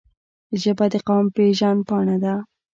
ژبه د قوم پېژند پاڼه ده